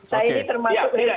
saya ini termasuk hater